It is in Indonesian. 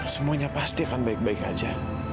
semuanya pasti akan baik baik aja